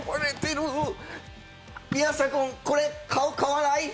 宮下君、これ、買う、買わない？